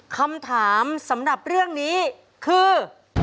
คำถามสำหรับเรื่องนี้คือ